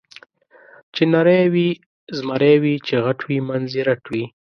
چې نری وي زمری وي، چې غټ وي منځ یې رټ وي.